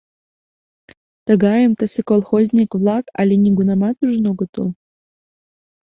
Тыгайым тысе колхозник-влак але нигунамат ужын огытыл.